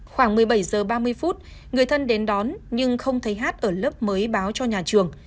khoảng một mươi bảy h ba mươi phút người thân đến đón nhưng không thấy hát ở lớp mới báo cho nhà trường